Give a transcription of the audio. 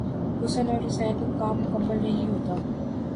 حسن اور حسین کا کام مکمل نہیں ہوتا۔